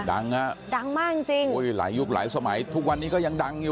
ดังฮะดังมากจริงจริงโอ้ยหลายยุคหลายสมัยทุกวันนี้ก็ยังดังอยู่